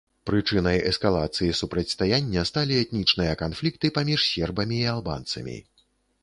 Прычынай эскалацыі супрацьстаяння сталі этнічныя канфлікты паміж сербамі і албанцамі.